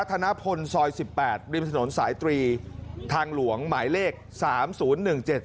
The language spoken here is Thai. ธนพลซอยสิบแปดริมถนนสายตรีทางหลวงหมายเลขสามศูนย์หนึ่งเจ็ด